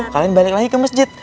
kalian balik lagi ke masjid